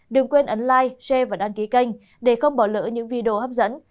đừng quên ấn like share và đăng ký kênh để không bỏ lỡ những video hấp dẫn